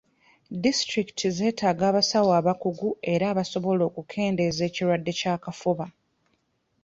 Disitulikiti zeetaga abasawo abakugu era abasobola okukendeeza ekirwadde ky'akafuba.